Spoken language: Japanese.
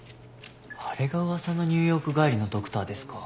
あれが噂のニューヨーク帰りのドクターですか。